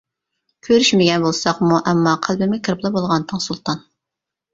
كۆرۈشمىگەن بولساقمۇ ئەمما قەلبىمگە كىرىپلا بولغانتىڭ سۇلتان.